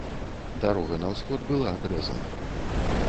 Дарога на ўсход была адрэзана.